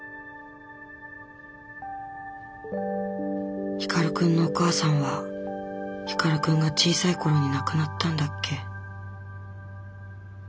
心の声光くんのお母さんは光くんが小さい頃に亡くなったんだっけ。